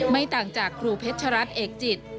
ไม่ต่างจากครูเพชรรัฐเอกจิต